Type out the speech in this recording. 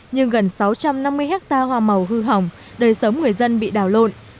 nhưng gần sáu trăm năm mươi hectare hoa màu hư hỏng đời sống người dân bị đào lộn